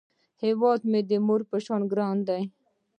هیواد د مور په شان ګران دی